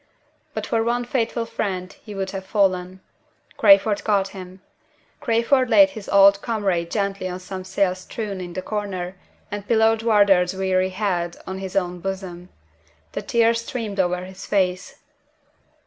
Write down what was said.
But for one faithful friend he would have fallen. Crayford caught him. Crayford laid his old comrade gently on some sails strewn in a corner, and pillowed Wardour's weary head on his own bosom. The tears streamed over his face.